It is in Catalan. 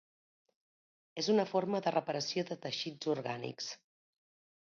És una forma de reparació de teixits orgànics.